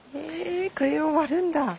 これを割るんだ。